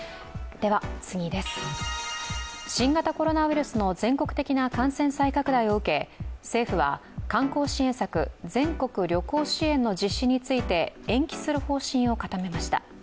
新型コロナウイルスの全国的な感染拡大を受け、政府は観光支援策、全国旅行支援の実施について延期する方針を固めました。